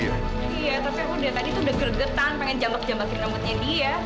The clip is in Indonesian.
iya tapi udah tadi tuh udah gregetan pengen jamak jamakin nomotnya dia